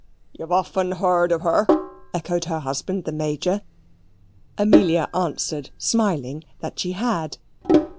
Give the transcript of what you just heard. "You've often heard of her," echoed her husband, the Major. Amelia answered, smiling, "that she had."